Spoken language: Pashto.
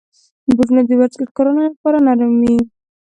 بوټونه د ورزشکارانو لپاره نرم وي.